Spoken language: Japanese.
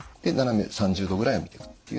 斜め３０度ぐらいを見ていく。